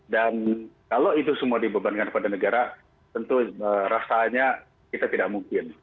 dan kalau itu semua dibebankan kepada negara tentu rasanya kita tidak mungkin